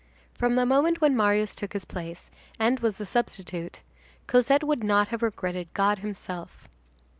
From the moment when Marius took his place, and was the substitute, Cosette would not have regretted God himself.